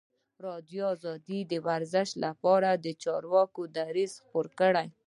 ازادي راډیو د ورزش لپاره د چارواکو دریځ خپور کړی.